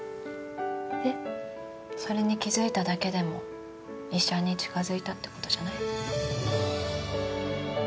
それに気づいただけでも医者に近づいたって事じゃない？